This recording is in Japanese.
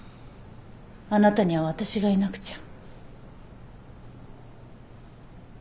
あなたには私がいなくちゃ。